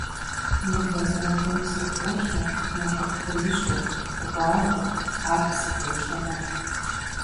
Мывэ задэм псыр къолъэ, макъышхуэ ищӀу, гъуагъуэу, ар псыкъелъэ мэхъу.